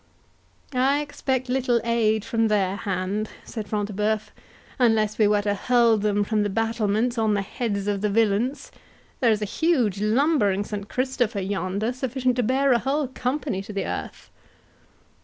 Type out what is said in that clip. "I expect little aid from their hand," said Front de Bœuf, "unless we were to hurl them from the battlements on the heads of the villains. There is a huge lumbering Saint Christopher yonder, sufficient to bear a whole company to the earth."